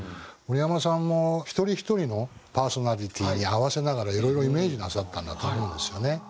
森山さんも一人一人のパーソナリティーに合わせながらいろいろイメージなさったんだと思うんですよね。